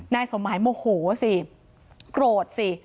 นายสมหมายโมโหสิโกรธสิ